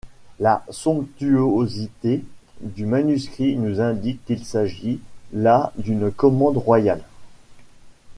La somptuosité du manuscrit nous indique qu'il s’agit là d’une commande royale.